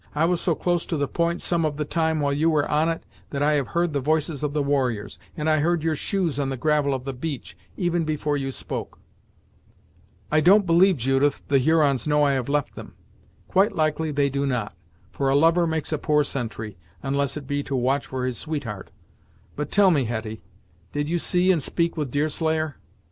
I was so close to the point some of the time while you were on it, that I have heard the voices of the warriors, and I heard your shoes on the gravel of the beach, even before you spoke." "I don't believe, Judith, the Hurons know I have left them." "Quite likely they do not, for a lover makes a poor sentry, unless it be to watch for his sweetheart! But tell me, Hetty, did you see and speak with Deerslayer?"